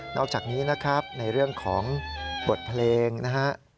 อกจากนี้นะครับในเรื่องของบทเพลงนะฮะ